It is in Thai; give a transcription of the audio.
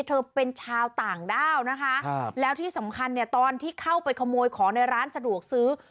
เธอเป็นชาวต่างด้าวนะคะแล้วที่สำคัญเนี่ยตอนที่เข้าไปขโมยของในร้านสะดวกซื้อ